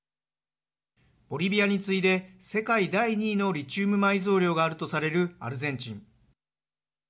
ボリビアに次いで世界第２位のリチウム埋蔵量があるとされるアルゼンチン。